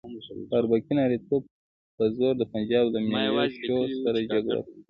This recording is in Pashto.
په اربکي نارینتوب په زور د پنجاب له ملیشو سره جګړه کوي.